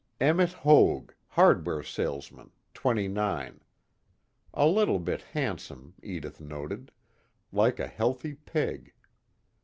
Emmet Hoag, hardware salesman, twenty nine. A little bit handsome, Edith noted like a healthy pig.